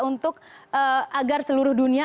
untuk agar seluruh dunia